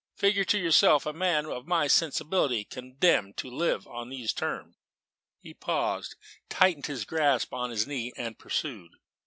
Figure to yourself a man of my sensibility condemned to live on these terms!" He paused, tightened his grasp on his knee, and pursued.